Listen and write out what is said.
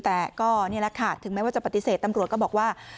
แต่ก็นี่แหละค่ะถึงแม้ว่าจะปฏิเสธตำรวจก็บอกว่า